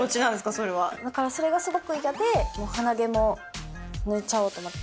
それがすごく嫌で、鼻毛も抜いちゃおうと思って。